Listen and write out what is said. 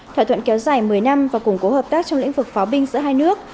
thỏa thuận kéo dài một mươi năm và củng cố hợp tác trong lĩnh vực pháo binh giữa hai nước